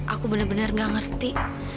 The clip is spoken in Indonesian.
aku bener bener nggak ngerti